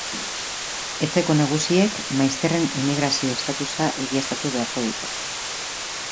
Etxeko nagusiek maizterren immigrazio statusa egiaztatu beharko dute.